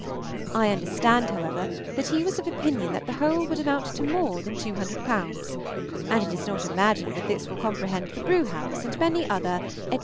I understand, however, that he was of opinion that the whole would amount to more than two hundred pounds, and it is not imagined that this will comprehend the brewhouse and many other, etc.